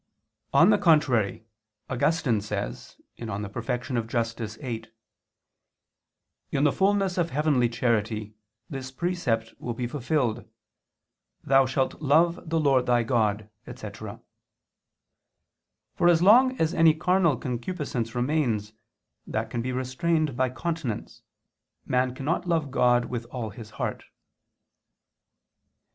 On the contrary, Augustine says (De Perfect. Justit. viii): "In the fulness of heavenly charity this precept will be fulfilled: Thou shalt love the Lord thy God," etc. For as long as any carnal concupiscence remains, that can be restrained by continence, man cannot love God with all his heart.